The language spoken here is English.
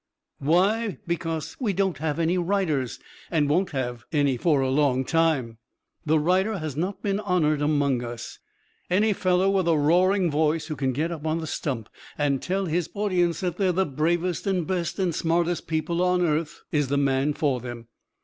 Why? Because we don't have any writers, and won't have any for a long time! The writer has not been honored among us. Any fellow with a roaring voice who can get up on the stump and tell his audience that they're the bravest and best and smartest people on earth is the man for them.